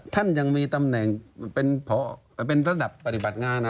ท่านยังมีตำแหน่งเป็นระดับปฏิบัติงาน